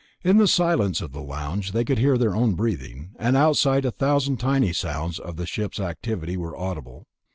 In the silence of the lounge they could hear their own breathing, and outside a thousand tiny sounds of the ship's activity were audible.